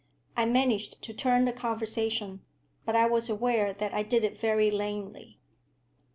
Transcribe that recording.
I managed to turn the conversation, but I was aware that I did it very lamely.